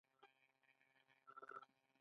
کله چې افغانستان کې ولسواکي وي میندې ډاډه وي.